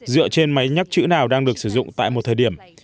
dựa trên máy nhắc chữ nào đang được sử dụng tại một thời điểm